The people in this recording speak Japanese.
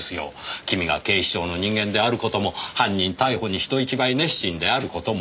君が警視庁の人間である事も犯人逮捕に人一倍熱心である事も。